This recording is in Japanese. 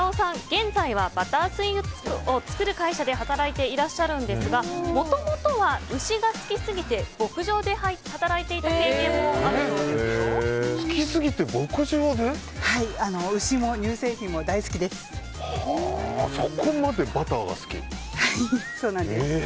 現在はバタースイーツを作る会社で働いていらっしゃるんですがもともとは牛が好きすぎて牧場で働いていた経験もあるそうですよ。